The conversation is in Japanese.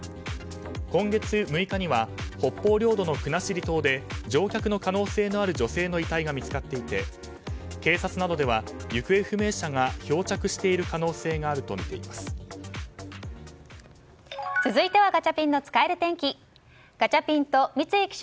今月６日には北方領土の国後島で乗客の可能性のある女性の遺体が見つかっていて警察などでは行方不明者が漂着している続いてはガチャピンの使える天気。